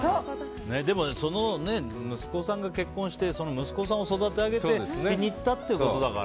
でも息子さんが結婚して息子さんを育て上げてお嫁に来たということだから。